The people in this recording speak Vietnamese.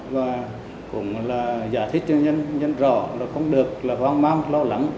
và cũng giải thích cho nhân dân rõ là không được vang mang lo lắng